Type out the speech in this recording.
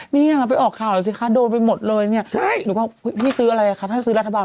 นี่มาไปออกข้าวน่ะสิโดยไปหมดเลยหนูก็พี่ซื้ออะไรค่า